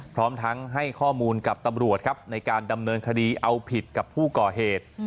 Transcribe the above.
พร้อมทั้งให้ข้อมูลกับตำรวจครับในการดำเนินคดีเอาผิดกับผู้ก่อเหตุ